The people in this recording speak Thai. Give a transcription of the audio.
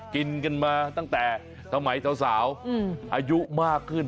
กินกันมาตั้งแต่ทำไมเท่าสาวอายุมากขึ้น